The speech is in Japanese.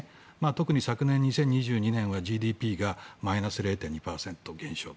特に昨年２０２２年はＧＤＰがマイナス０．２％減少。